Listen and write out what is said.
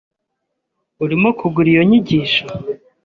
Urimo kugura iyo nyigisho?